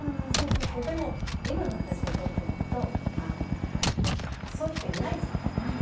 でも今の私にとってみるとそういう人いないじゃない？